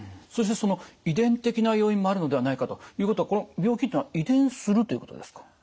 そしてその遺伝的な要因もあるのではないかということはこの病気というのは遺伝するということですか？